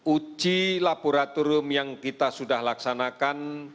uji laboratorium yang kita sudah laksanakan